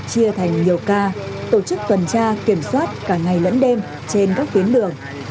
chia thành nhiều ca tổ chức tuần tra kiểm soát cả ngày lẫn đêm trên các tuyến đường